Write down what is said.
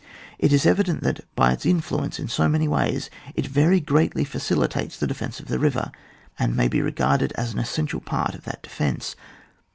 It is evident that, by its influence in so many ways, it very greatly facilitates the defence of the river, and may be regarded as an es sential part of that defence.